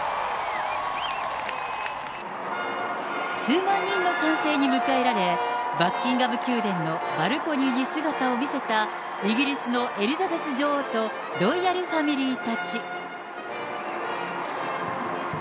数万人の歓声に迎えられ、バッキンガム宮殿のバルコニーに姿を見せた、イギリスのエリザベス女王とロイヤルファミリーたち。